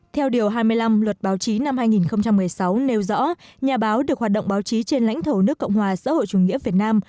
theo điều hai mươi năm luật báo chí năm hai nghìn một mươi sáu nêu rõ nhà báo được hoạt động báo chí trên lãnh thổ nước cộng hòa xã hội chủ nghĩa việt nam